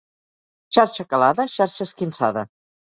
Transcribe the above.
Xarxa calada, xarxa esquinçada.